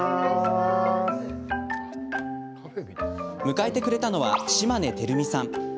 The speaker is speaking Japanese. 迎えてくれたのは、島根輝美さん。